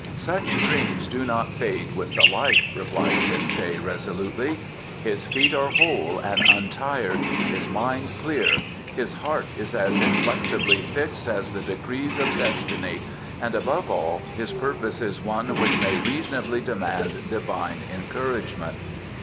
"Such dreams do not fade with the light," replied Ten teh resolutely. "His feet are whole and untired; his mind clear. His heart is as inflexibly fixed as the decrees of destiny, and, above all, his purpose is one which may reasonably demand divine encouragement."